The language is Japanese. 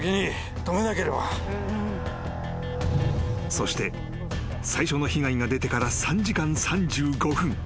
［そして最初の被害が出てから３時間３５分。